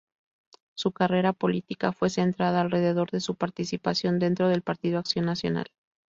Su carrera política fue centrada alrededor de su participación dentro del Partido Acción Nacional.